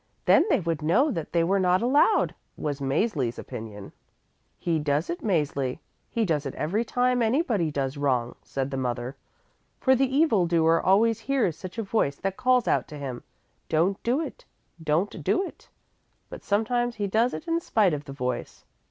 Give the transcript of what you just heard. Then they would know that they were not allowed," was Mäzli's opinion. "He does it, Mäzli! He does it every time anybody does wrong," said the mother, "for the evil doer always hears such a voice that calls out to him: 'Don't do it, don't do it!' But sometimes he does it in spite of the voice.